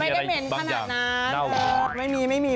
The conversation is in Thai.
ไม่ได้เหม็นขนาดนั้นน่าจะมีอยู่บางอย่าง